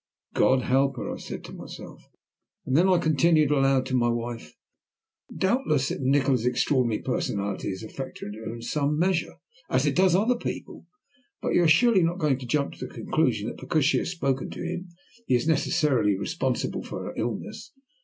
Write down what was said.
"God help her," I said to myself. And then I continued aloud to my wife, "Doubtless Nikola's extraordinary personality has affected her in some measure, as it does other people, but you are surely not going to jump to the conclusion that because she has spoken to him he is necessarily responsible for her illness?